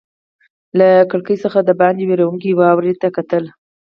له کړکۍ څخه دباندې ورېدونکې واورې ته کتل.